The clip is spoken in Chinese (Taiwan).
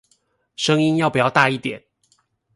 聲音要不要大一點